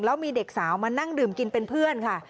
แล้วมีเด็กสาวมานั่งดื่มกินเป็นเพื่อนค่ะ